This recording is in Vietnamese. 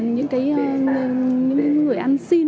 những cái người ăn xin